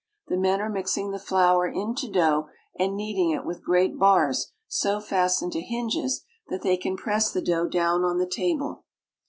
The men are mixing the flour into dough, and kneading it with great bars so fastened to hinges that they can press the dough down on the table.